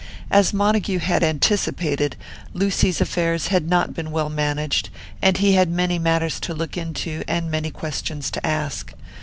As Montague had anticipated, Lucy's affairs had not been well managed, and he had many matters to look into and many questions to ask.